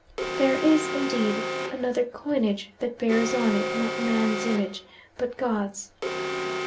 There is, indeed, another coinage that bears on it not man's image but God's.